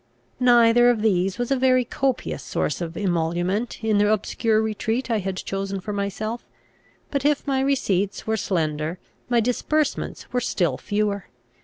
Neither of these was a very copious source of emolument in the obscure retreat I had chosen for myself; but, if my receipts were slender, my disbursements were still fewer.